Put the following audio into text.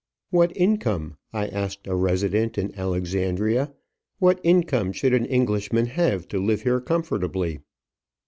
"What income," I asked a resident in Alexandria, "what income should an Englishman have to live here comfortably?"